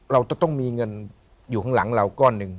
เราจะต้องมีเงินอยู่ข้างหลังเราก้อนหนึ่ง